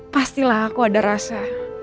pastilah aku ada rasa